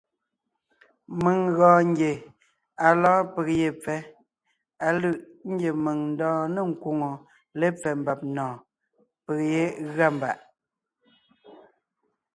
Mèŋ gɔɔn ngie à lɔ́ɔn peg ye pfɛ́, á lʉ̂ʼ ngie mèŋ ńdɔɔn ne ńkwóŋo lépfɛ́ mbàb nɔ̀ɔn, peg yé gʉa mbàʼ.